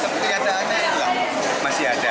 tapi ada ada itu lah masih ada